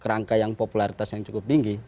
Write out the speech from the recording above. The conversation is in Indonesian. kerangka yang popularitas yang cukup tinggi